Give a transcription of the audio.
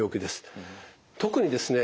特にですね